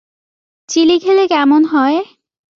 Chilli খেলে কেমন হয়?